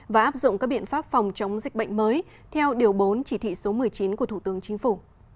và áp dụng các biện pháp phòng chống dịch bệnh mới theo điều bốn chỉ thị số một mươi chín của thủ tướng chính phủ